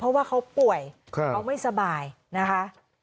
เพราะว่าเขาป่วยเขาไม่สบายนะคะ